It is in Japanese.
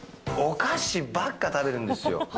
お菓子ばっか食べるんですよ。